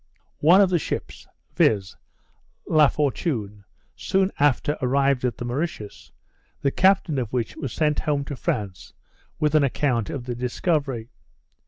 One of the ships, viz. the La Fortune, soon after arrived at the Mauritius, the captain of which was sent home to France with an account of the discovery.